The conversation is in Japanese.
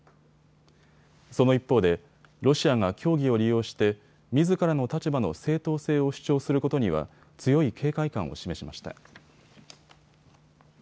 その一方でロシアが協議を利用してみずからの立場の正当性を主張することには強い警戒感を示しました。